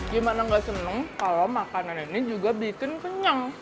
gimana gak seneng kalau makanan ini juga bikin kenyang